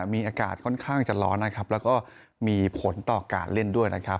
มีอากาศค่อนข้างจะร้อนนะครับแล้วก็มีผลต่อการเล่นด้วยนะครับ